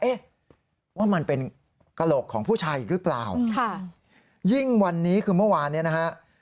เอ๊ะว่ามันเป็นกระโหลกของผู้ชายอีกหรือเปล่าค่ะยิ่งวันนี้คือเมื่อวานเนี่ยนะฮะ